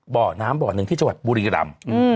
บ่อน้ำบ่อน้ำหนึ่งที่ชาวน้ำบูริกระดำ